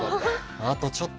あとちょっと！